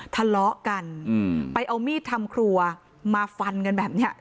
ทะเลาะกันไปเอามีดทำครัวมาฟันกันแบบนี้